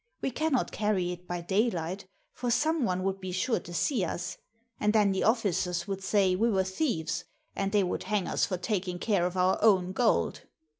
We can not carry it by daylight, for some one would be sure to see us, and then the officers would say we were thieves, and they would hang us for taking care of our own gold.